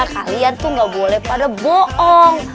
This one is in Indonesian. kalian tuh gak boleh pada bohong